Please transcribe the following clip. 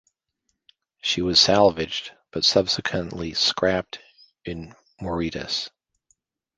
She was salvaged but subsequently scrapped in Mauritius.